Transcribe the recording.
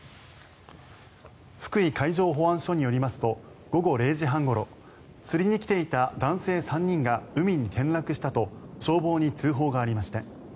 福井海上保安署によりますと午後０時半ごろ釣りに来ていた男性３人が海に転落したと消防に通報がありました。